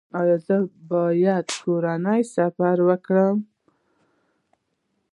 ایا زه باید کورنی سفر وکړم؟